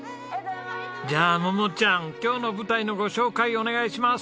じゃあ桃ちゃん今日の舞台のご紹介お願いします。